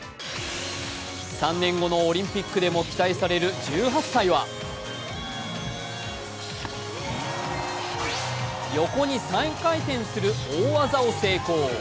３年後のオリンピックでも期待される１８歳は横に３回転する大技を成功。